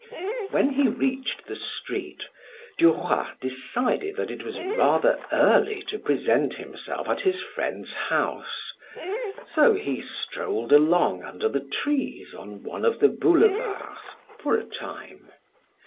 When he reached the street, Duroy decided that it was rather early to present himself at his friend's house, so he strolled along under the trees on one of the boulevards for a time.